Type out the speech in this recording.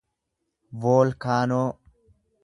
voolkaanoo